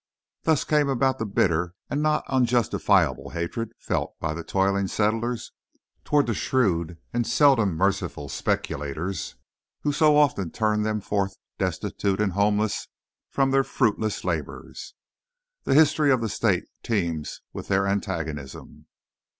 Thus came about the bitter and not unjustifiable hatred felt by the toiling settlers toward the shrewd and seldom merciful speculators who so often turned them forth destitute and homeless from their fruitless labours. The history of the state teems with their antagonism.